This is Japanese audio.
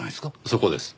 そこです。